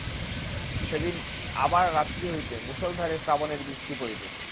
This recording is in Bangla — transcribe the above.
সেদিনে আবার রাত্রি হইতে মুষলধারে শ্রাবণের বৃষ্টি পড়িতেছে।